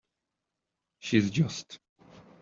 She is just.